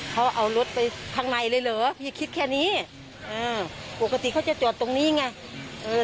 เขาเอารถไปข้างในเลยเหรอพี่คิดแค่นี้อ่าปกติเขาจะจอดตรงนี้ไงเออ